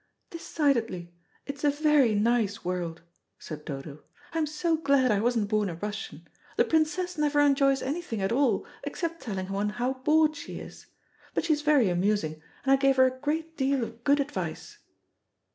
"Decidedly, it's a very nice world," said Dodo. "I'm so glad I wasn't born a Russian. The Princess never enjoys anything at all, except telling one how bored she is. But she's very amusing, and I gave her a great deal of good advice."